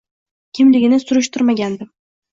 Kimligini surishtirmagandim